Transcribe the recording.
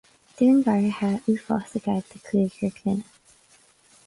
Dúnmharuithe uafásacha de chúigear clainne